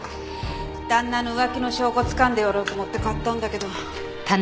旦那の浮気の証拠つかんでやろうと思って買ったんだけど。